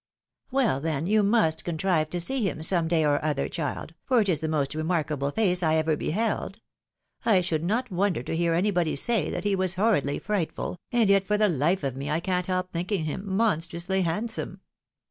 "Well, then, you must contrive to see him some day or other, child, for it is the most remarkable face I ever beheld ; I should not wonder to hear anybody say that he was horridly frightful, and yet for the life of me I can't help thinking him monstrously handsome."